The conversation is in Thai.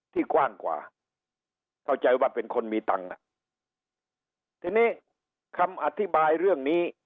กว้างกว่าเข้าใจว่าเป็นคนมีตังค์อ่ะทีนี้คำอธิบายเรื่องนี้